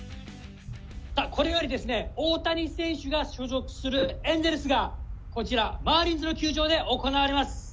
これよりですね、大谷選手が所属するエンゼルスが、こちらマーリンズの球場で行われます。